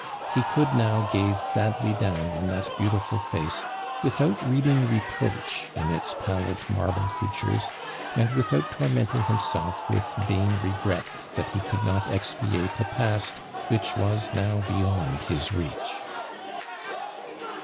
He could now gaze sadly down on Uiat beautiful face without reading reproach in its pallid marble features, and without tormenting himself with vaui regrets that he could not expiate a paai which was now beyond his reach.